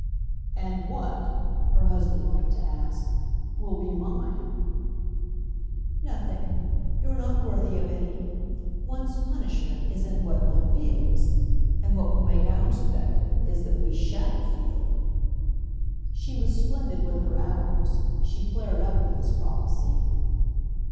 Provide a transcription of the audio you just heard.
"And what," her husband liked to ask, "will be mine?" "Nothing you're not worthy of any. One's punishment is in what one feels, and what will make ours effective is that we SHALL feel." She was splendid with her "ours"; she flared up with this prophecy.